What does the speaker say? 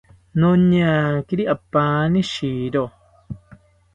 Noñakiri apaani shiro